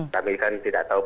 tapi kan tidak tahu